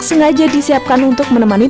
sengaja disiapkan untuk menemani